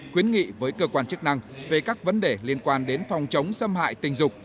khuyến nghị với cơ quan chức năng về các vấn đề liên quan đến phòng chống xâm hại tình dục